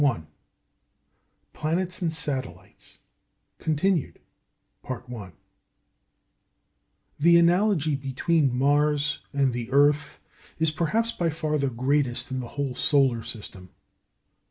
] CHAPTER VIII PLANETS AND SATELLITES (continued) "The analogy between Mars and the earth is perhaps by far the greatest in the whole solar system."